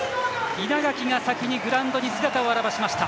稲垣が先にグラウンドに姿を現しました。